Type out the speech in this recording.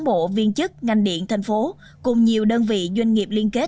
bộ viên chức ngành điện thành phố cùng nhiều đơn vị doanh nghiệp liên kết